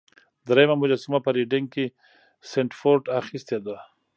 دریمه مجسمه په ریډینګ کې سنډفورډ اخیستې ده.